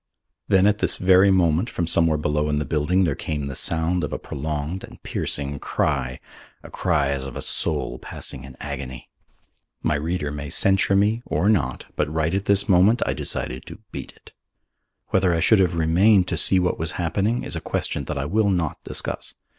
Then at this very moment from somewhere below in the building there came the sound of a prolonged and piercing cry, a cry as of a soul passing in agony. My reader may censure me or not, but right at this moment I decided to beat it. Whether I should have remained to see what was happening is a question that I will not discuss.